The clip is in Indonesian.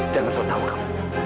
jangan saya tahu kamu